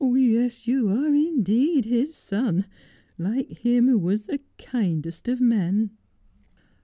Yes, you are indeed his son — like him who was the kindest of men.'